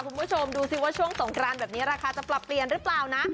คุณผู้ชมดูสิว่าช่วงสงครานแบบนี้ราคาจะปรับเปลี่ยนหรือเปล่านะ